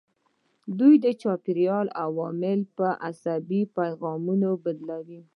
دوی د چاپیریال عوامل په عصبي پیغامونو بدلوي.